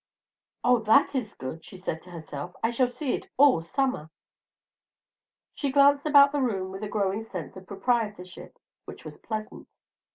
"Oh, that is good," she said to herself. "I shall see it all summer." She glanced about the room with a growing sense of proprietorship which was pleasant.